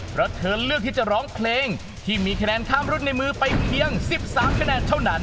เพราะเธอเลือกที่จะร้องเพลงที่มีคะแนนข้ามรุ่นในมือไปเพียง๑๓คะแนนเท่านั้น